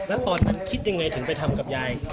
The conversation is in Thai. อารมณ์เป็นชั่ววูบครับ